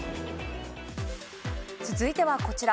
続いてはこちら。